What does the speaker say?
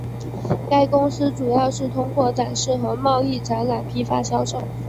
该公司主要是通过展示和贸易展览批发销售。